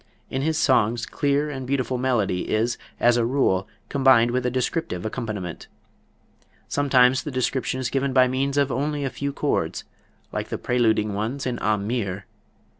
In his songs clear and beautiful melody is, as a rule, combined with a descriptive accompaniment. Sometimes the description is given by means of only a few chords, like the preluding ones in "Am Meer."